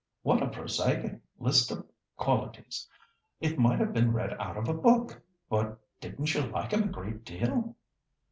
"What a prosaic list of qualities; it might have been read out of a book! But didn't you like him a great deal?"